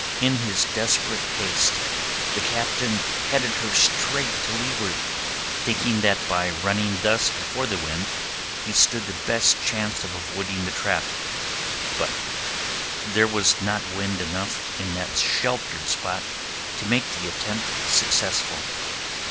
In his desperate haste the captain headed her straight to leeward, thinking that by running thus before the wind he stood the best chance of avoiding the trap. But there was not wind enough in that sheltered spot to make the attempt successful.